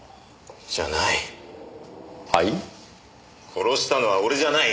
殺したのは俺じゃない。